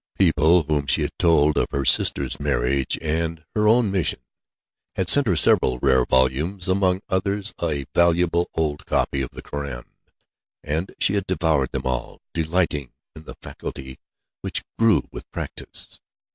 People whom she had told of her sister's marriage, and her own mission, had sent her several rare volumes, among others a valuable old copy of the Koran, and she had devoured them all, delighting in the facility which grew with practice.